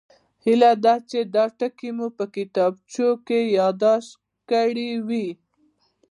هیله ده چې دا ټکي مو په کتابچو کې یادداشت کړي وي